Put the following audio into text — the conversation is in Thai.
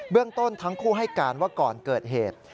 เรื่องต้นทั้งคู่ให้การว่าก่อนเกิดเหตุ